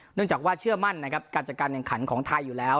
เนื่องจากว่าเชื่อมั่นนะครับการจัดการแข่งขันของไทยอยู่แล้ว